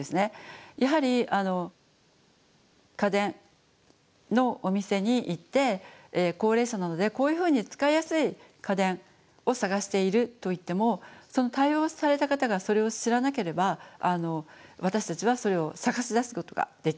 やはり家電のお店に行って高齢者なのでこういうふうに使いやすい家電を探していると言ってもその対応された方がそれを知らなければ私たちはそれを探し出すことができない。